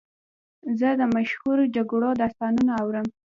زه د مشهورو جګړو داستانونه اورم.